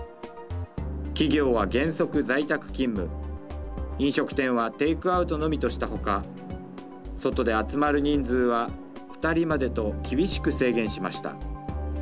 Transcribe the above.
企業は原則在宅勤務、飲食店はテイクアウトのみとしたほか外で集まる人数は２人までと厳しく制限しました。